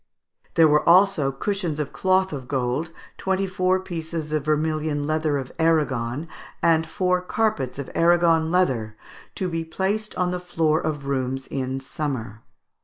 There were also cushions of cloth of gold, twenty four pieces of vermilion leather of Aragon, and four carpets of Aragon leather, "to be placed on the floor of rooms in summer."